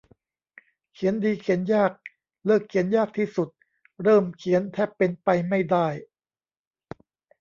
เขียนดีเขียนยาก เลิกเขียนยากที่สุด เริ่มเขียนแทบเป็นไปไม่ได้